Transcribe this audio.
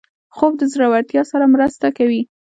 خوب د زړورتیا سره مرسته کوي